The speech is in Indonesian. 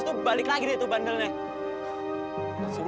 tan kamu kotor banget sih